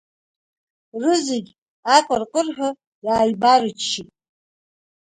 Рызегьы аҟырҟырҳәа иааибарччеит.